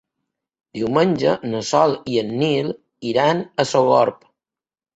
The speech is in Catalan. Diumenge na Sol i en Nil iran a Sogorb.